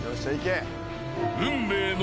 ［運命の］